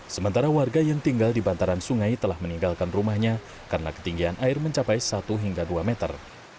sementara warga yang tinggal di bantaran sungai telah meninggalkan rumahnya karena ketinggian air mencapai satu hingga dua meter